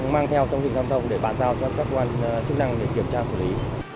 mang theo trong trực tâm thông để bàn giao cho các quan chức năng để kiểm tra xử lý